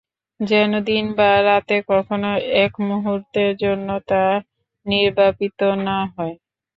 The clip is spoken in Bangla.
যেন দিন বা রাতে কখনো এক মুহূর্তের জন্য তা নির্বাপিত না হয়।